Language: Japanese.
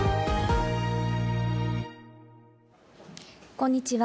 こんにちは。